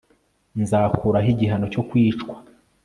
nzakuraho igihano cyo kwicwa